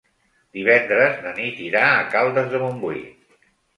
Divendres na Nit irà a Caldes de Montbui.